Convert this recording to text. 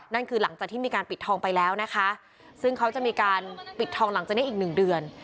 นั่นคือหลังจากที่มีการปิดทองไปแล้วนะคะซึ่งเขาจะมีการปิดทองหลังจากนี้อีกหนึ่งเดือน